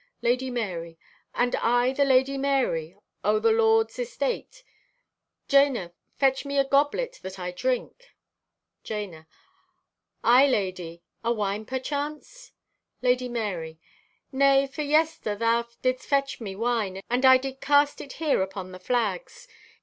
_) (Lady Marye) "And I the Lady Marye, o' the lord's estate! Jana, fetch me a goblet that I drink." (Jana) "Aye, lady. A wine, perchance?" (Lady Marye) "Nay, for yester thou didst fetch me wine, and I did cast it here upon the flags.